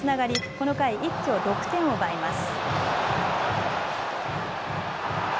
この回、一挙６点を奪います。